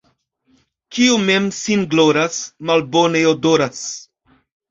Kiu mem sin gloras, malbone odoras.